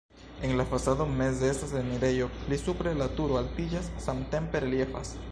En la fasado meze estas la enirejo, pli supre la turo altiĝas, samtempe reliefas.